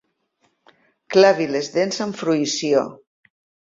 Clavi les dents amb fruïció.